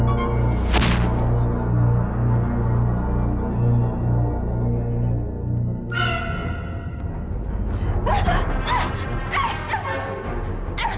tidak ada yang bisa dikira